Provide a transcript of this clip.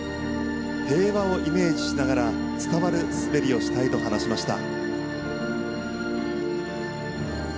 平和をイメージしながら、伝わる滑りをしたいと話しました。